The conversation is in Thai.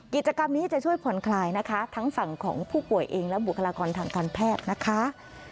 กิจกรรมนี้จะช่วยผ่อนคลายนะคะทั้งฝั่งของผู้ป่วยเองและบุคลากรทางการแพทย์นะคะ